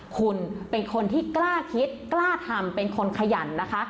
คุณเป็นคนที่กล้าคิดกล้าทำเป็นคนขยันนะคะ